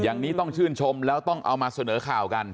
อย่างนี้ต้องชื่นชมแล้วต้องเอามาเสนอข่าวกัน